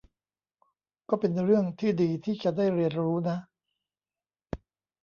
ก็เป็นเรื่องที่ดีที่จะได้เรียนรู้นะ